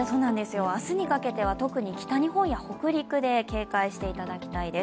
明日にかけては特に北日本や北陸で警戒していただきたいです。